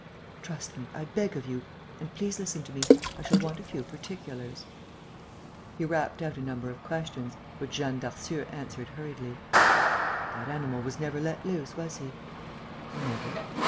"Trust me, I beg of you. And please listen to me, I shall want a few particulars." He rapped out a number of questions, which Jeanne Darcieux answered hurriedly: "That animal was never let loose, was he?" "Never."